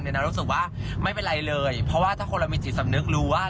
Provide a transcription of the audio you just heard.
เรารู้สึกว่าไม่เป็นไรเลยเพราะว่าถ้าคนเรามีจิตสำนึกรู้ว่า